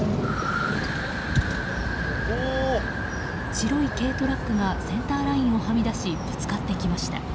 白い軽トラックがセンターラインをはみ出しぶつかってきました。